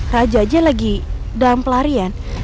raja aja lagi dalam pelarian